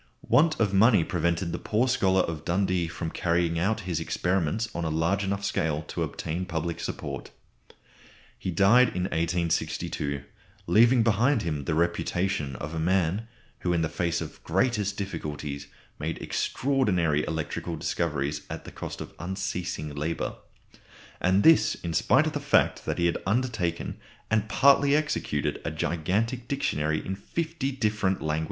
Want of money prevented the poor scholar of Dundee from carrying out his experiments on a large enough scale to obtain public support. He died in 1862, leaving behind him the reputation of a man who in the face of the greatest difficulties made extraordinary electrical discoveries at the cost of unceasing labour; and this in spite of the fact that he had undertaken and partly executed a gigantic dictionary in fifty different languages!